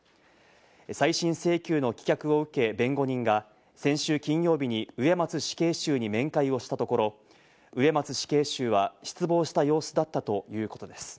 再審請求の棄却を受け弁護人が先週金曜日に植松死刑囚に面会をしたところ、植松死刑囚は失望した様子だったということです。